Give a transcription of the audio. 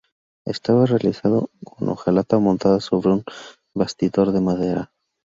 Estaba realizada con hojalata montada sobre un bastidor de madera.